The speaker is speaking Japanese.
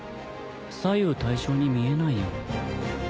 左右対称に見えないよ。